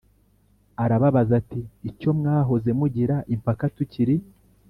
arababaza ati Icyo mwahoze mugira impaka tukiri